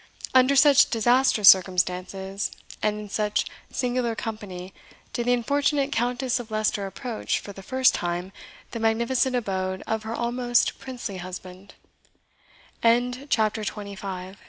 Under such disastrous circumstances, and in such singular company, did the unfortunate Countess of Leicester approach, for the first time, the magnificent abode of her almost princely husband. CHAPTER XXVI. SNUG.